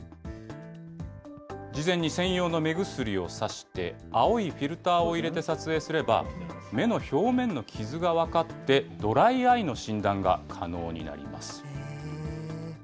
事前に専用の目薬をさして、青いフィルターを入れて撮影すれば、目の表面の傷が分かって、ドライアイの診断が可能になります。